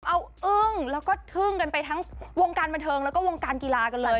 เอาอึ้งแล้วก็ทึ่งกันไปทั้งวงการบันเทิงแล้วก็วงการกีฬากันเลย